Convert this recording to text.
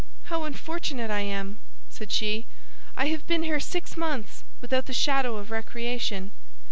"How unfortunate I am!" said she; "I have been here six months without the shadow of recreation.